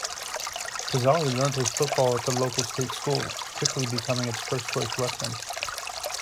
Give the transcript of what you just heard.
Cazaly learnt his football at the local state school, quickly becoming its first-choice ruckman.